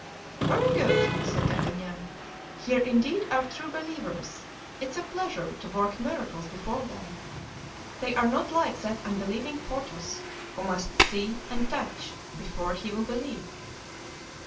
"Very good," said D'Artagnan; "here indeed are true believers; it is a pleasure to work miracles before them; they are not like that unbelieving Porthos, who must see and touch before he will believe."